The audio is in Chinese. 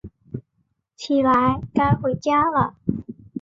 起来，该回家了